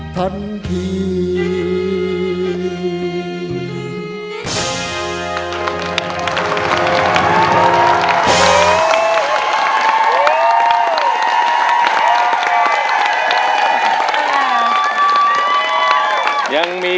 ทันที